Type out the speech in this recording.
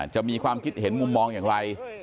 จะมีความคิดเห็นมุมมองอย่างไร